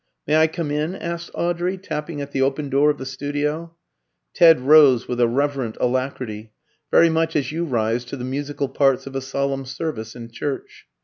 "May I come in?" asked Audrey, tapping at the open door of the studio. Ted rose with a reverent alacrity, very much as you rise to the musical parts of a solemn service in church.